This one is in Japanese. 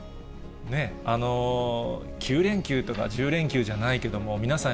９連休とか１０連休じゃないけども、皆さん